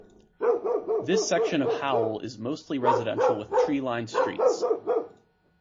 This section of Howell is mostly residential with tree-lined streets.